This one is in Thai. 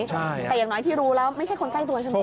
แต่อย่างน้อยที่รู้แล้วไม่ใช่คนใกล้ตัวใช่ไหม